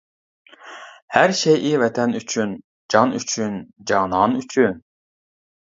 ھەر شەيئى ۋەتەن ئۈچۈن، جان ئۈچۈن، جانان ئۈچۈن.